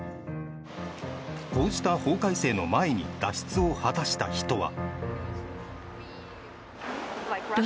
こうした法改正の前に脱出を果たした人は。